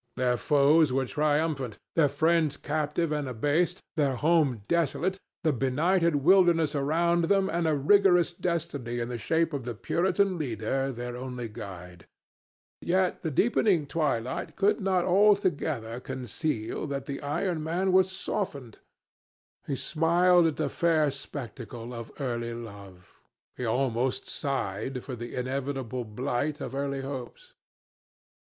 Their foes were triumphant, their friends captive and abased, their home desolate, the benighted wilderness around them, and a rigorous destiny in the shape of the Puritan leader their only guide. Yet the deepening twilight could not altogether conceal that the iron man was softened. He smiled at the fair spectacle of early love; he almost sighed for the inevitable blight of early hopes.